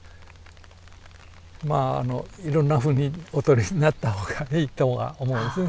まああのいろんなふうにお取りになった方がいいとは思うんですね。